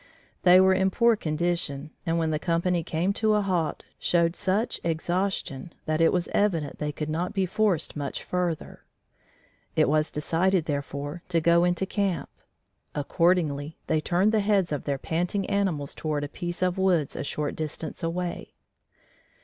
They were in poor condition, and, when the company came to a halt, showed such exhaustion that it was evident they could not be forced much further. It was decided, therefore, to go into camp. Accordingly, they turned the heads of their panting animals toward a piece of woods a short distance away.